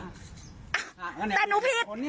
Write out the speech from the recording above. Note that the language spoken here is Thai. อ้าวแต่หนูผิด